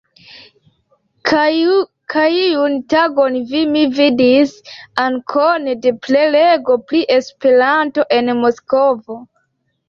Kaj iun tagon vi mi vidis anoncon de prelego pri Esperanto en Moskvo.